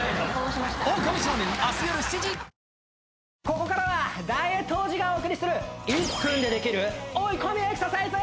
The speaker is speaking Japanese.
ここからはダイエット王子がお送りする１分でできる追い込みエクササイズ